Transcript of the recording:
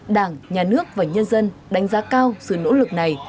đảng nhà nước và nhân dân đánh giá cao sự nỗ lực này